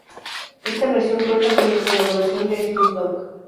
Esta versión cuenta con colaboración de Snoop Dogg.